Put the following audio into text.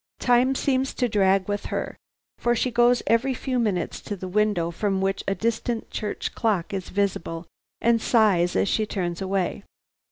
Time seems to drag with her, for she goes every few minutes to the window from which a distant church clock is visible, and sighs as she turns away.